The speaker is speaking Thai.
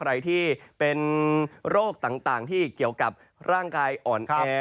ใครที่เป็นโรคต่างที่เกี่ยวกับร่างกายอ่อนแอ